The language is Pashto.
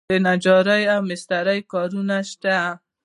د نجارۍ او مسترۍ کارونه شته؟